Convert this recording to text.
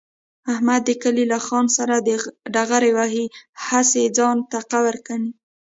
احمد د کلي له خان سره ډغره وهي، هسې ځان ته قبر کني.